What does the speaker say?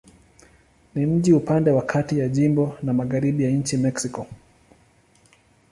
Ni mji upande wa kati ya jimbo na magharibi ya nchi Mexiko.